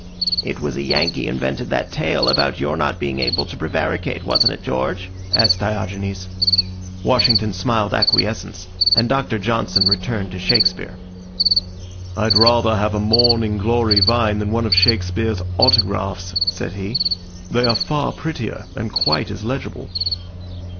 "It was a Yankee invented that tale about your not being able to prevaricate, wasn't it, George?" asked Diogenes. Washington smiled acquiescence, and Doctor Johnson returned to Shakespeare. "I'd rather have a morning glory vine than one of Shakespeare's autographs," said he. "They are far prettier, and quite as legible."